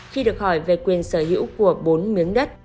khi được hỏi về quyền sở hữu của bốn miếng đất